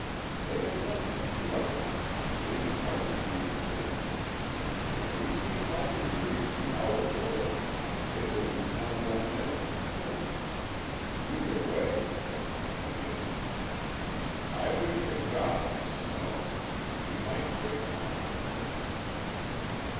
They have done this to others; we can hardly be exempt. If we seem likely to reach the outer world, it will be time enough then for killing. Either way, the Company wins. I wish to God it would snow. We might shake them off then."